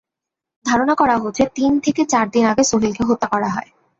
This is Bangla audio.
ধারণা করা হচ্ছে, তিন থেকে চার দিন আগে সোহেলকে হত্যা করা হয়।